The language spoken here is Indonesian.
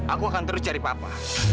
aku akan terus cari papa